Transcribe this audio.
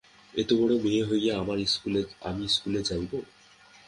এতবড়ো মেয়ে হইয়া আমি ইস্কুলে যাইব?